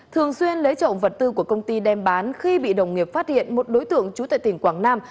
thường xuyên lấy trộm vật tư của công ty đem bán khi bị đồng nghiệp phát hiện một đối tượng trú tại tỉnh quảng nam